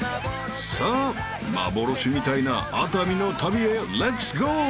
［さあ幻みたいな熱海の旅へレッツゴー］